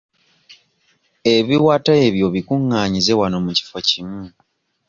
Ebiwata ebyo bikunganyize wano mu kifo kimu.